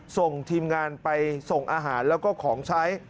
ส่งทีมงานไปส่งอาหารแล้วก็ของใช้